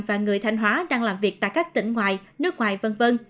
và người thanh hóa đang làm việc tại các tỉnh ngoài nước ngoài v v